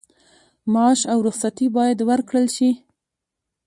معاش او رخصتي باید ورکړل شي.